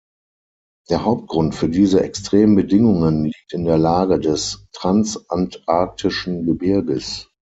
Der Hauptgrund für diese extremen Bedingungen liegt in der Lage des transantarktischen Gebirges.